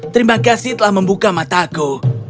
terima kasih telah membuka mataku